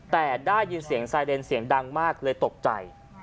แต่ได้ยินเสียงไซเรนเสียงดังมากเลยตกใจ